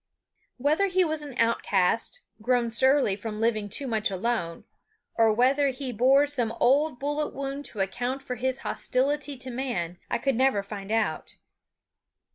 Whether he was an outcast, grown surly from living too much alone, or whether he bore some old bullet wound to account for his hostility to man, I could never find out.